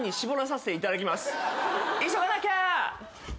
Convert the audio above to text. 急がなきゃ！